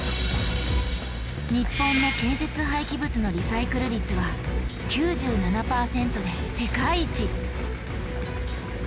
日本の建設廃棄物のリサイクル率は９７％で世界一！